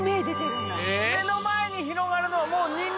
目の前に広がるのはもうニンニク。